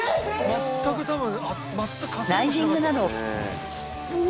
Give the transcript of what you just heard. ライジングなど。